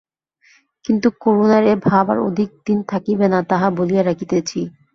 কিন্তু করুণার এ ভাব আর অধিক দিন থাকিবে না তাহা বলিয়া রাখিতেছি।